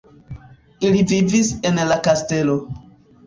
Ili vivis en la kastelo.